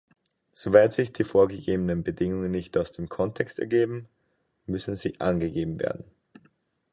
Soweit sich die vorgegebenen Bedingungen nicht aus dem Kontext ergeben, müssen sie angegeben werden.